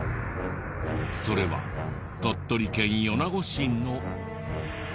それは鳥取県米子市の。